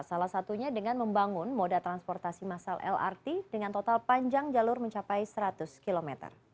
salah satunya dengan membangun moda transportasi masal lrt dengan total panjang jalur mencapai seratus km